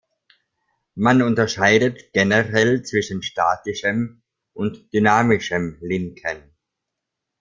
Man unterscheidet generell zwischen statischem und dynamischem Linken.